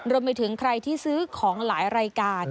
รวมไปถึงใครที่ซื้อของหลายรายการ